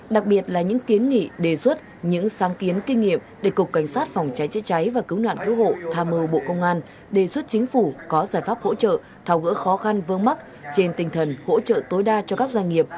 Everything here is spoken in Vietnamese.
đặc biệt là những kiến nghị đề xuất những sáng kiến kinh nghiệm để cục cảnh sát phòng cháy chữa cháy và cứu nạn cứu hộ tham mưu bộ công an đề xuất chính phủ có giải pháp hỗ trợ thảo gỡ khó khăn vương mắc trên tinh thần hỗ trợ tối đa cho các doanh nghiệp